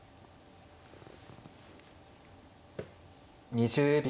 ２０秒。